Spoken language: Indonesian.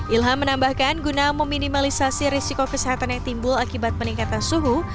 ilham menambahkan guna meminimalisasi risiko kesehatan yang timbul akibat meningkatkan suhu